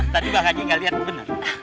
tadi kak aji gak liat bener